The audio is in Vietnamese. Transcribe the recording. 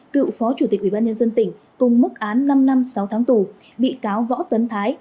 cựu phó chủ tịch ủy ban nhân dân tỉnh cùng mức án năm năm sáu tháng tù bị cáo võ tấn thái